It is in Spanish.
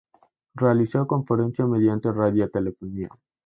Realizó conferencias mediante radiotelefonía.